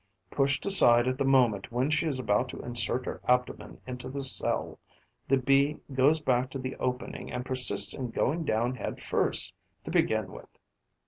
Pushed aside at the moment when she is about to insert her abdomen into the cell, the Bee goes back to the opening and persists in going down head first to begin with.